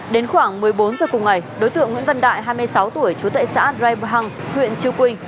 đến khoảng một mươi bốn giờ cùng ngày đối tượng nguyễn văn đại hai mươi sáu tuổi chú tệ xã raibhang huyện chư quynh